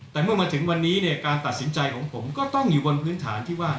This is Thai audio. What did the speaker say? แต่เมื่อมาถึงวันนี้เนี่ยการตัดสินใจของผมก็ต้องอยู่บนพื้นฐานที่ว่า